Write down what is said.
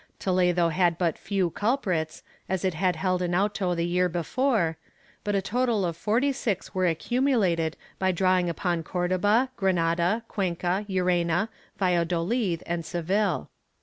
Toledo had but few culprits, as it had held an auto the year before, but a total of forty six were accumulated by drawing upon Cordoba, Granada, Cuenca, Llerena, Valladolid and Seville.